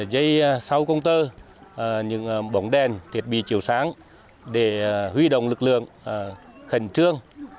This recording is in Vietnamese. dây sau công tơ những bóng đèn thiết bị chiều sáng để huy động lực lượng khẩn trương